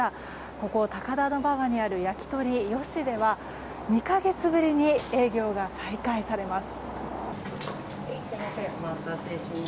ここ、高田馬場にある焼き鶏義では２か月ぶりに営業が再開されます。